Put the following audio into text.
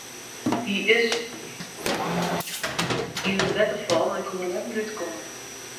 Hy is yn it wetter fallen en koe der net mear út komme.